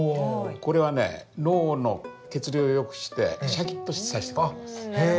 これはね脳の血流を良くしてシャキッとさせてくれます。